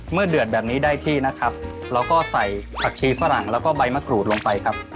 เดือดแบบนี้ได้ที่นะครับเราก็ใส่ผักชีฝรั่งแล้วก็ใบมะกรูดลงไปครับ